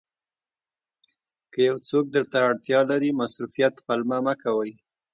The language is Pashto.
که یو څوک درته اړتیا لري مصروفیت پلمه مه کوئ.